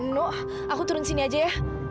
nu aku turun sini aja ya